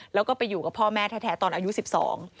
แล้วก็ไปอยู่กับพ่อแม่แท้แท้ตอนอายุสิบสอง